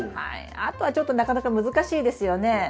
あとはちょっとなかなか難しいですよね。